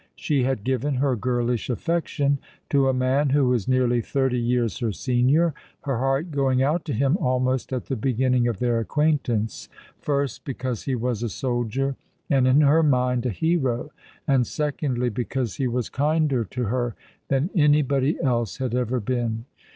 She had given her girlish affection to a man who was nearly thirty years her senior, her heart going out to him almost at the beginning of their acquaintance, first because he was a soldier, and in her mind a hero, and secondly because he was kinder to her than anybody else had ever been.